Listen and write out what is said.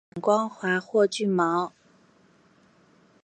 复眼光滑或具毛。